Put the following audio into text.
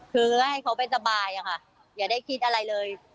คือก็ให้เขาไปสบายอะค่ะอย่าได้คิดอะไรเลย